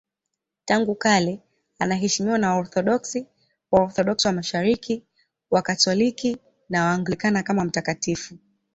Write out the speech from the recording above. Tangu kale anaheshimiwa na Waorthodoksi, Waorthodoksi wa Mashariki, Wakatoliki na Waanglikana kama mtakatifu.